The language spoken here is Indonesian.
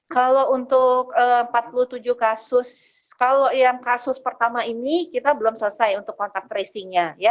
kalau untuk empat puluh tujuh kasus kalau yang kasus pertama ini kita belum selesai untuk kontak tracingnya